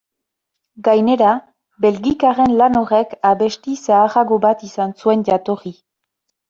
Gainera, belgikarren lan horrek abesti zaharrago bat izan zuen jatorri.